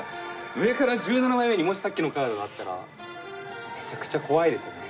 上から１７枚目にもしさっきのカードがあったらめちゃくちゃ怖いですよね。